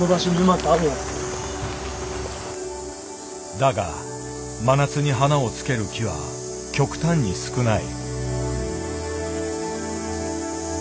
だが真夏に花をつける木は極端に少ない。